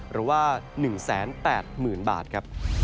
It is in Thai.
หรือว่า๑๘๐๐๐บาทครับ